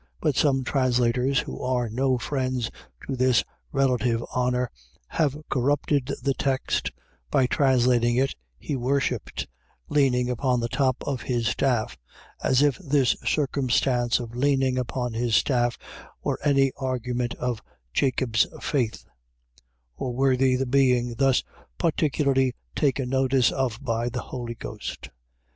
But some translators, who are no friends to this relative honour, have corrupted the text, by translating it, he worshipped, leaning upon the top of his staff; as if this circumstance of leaning upon his staff were any argument of Jacob's faith, or worthy the being thus particularly taken notice of by the Holy Ghost.